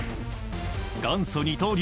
元祖二刀流